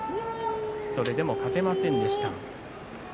それでも勝てませんでした。